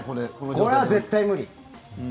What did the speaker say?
これは絶対無理。